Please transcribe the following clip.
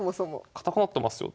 堅くなってますよ。